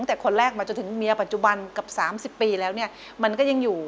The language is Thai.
ตั้งแต่คนแรกมาจนถึงเมียปัจจุบันกับ๓๐ปีแล้วเนี่ยมันก็ยังอยู่